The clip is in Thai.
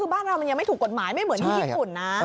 บ้านเรามันยังไม่ถูกกฎหมายไม่เหมือนอยู่ญี่ปุ่นนะ